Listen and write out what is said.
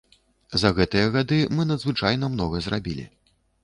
За гэтыя гады мы надзвычайна многа зрабілі.